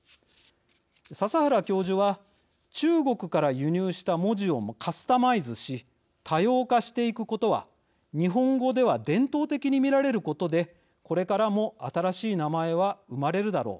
笹原教授は、「中国から輸入した文字をカスタマイズし多様化していくことは日本語では伝統的に見られることでこれからも新しい名前は生まれるだろう。